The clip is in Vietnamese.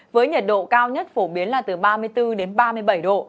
với nhiệt độ cao nhất phổ biến là từ ba mươi bốn đến ba mươi bảy độ